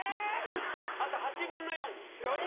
あと８分の４。４人！